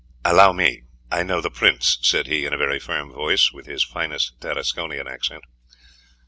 "Allow me. I know the prince," said he, in a very firm voice, and with his finest Tarasconian accent.